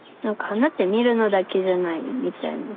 花って見るのだけじゃないみたいな。